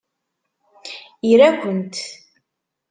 Ira-kent!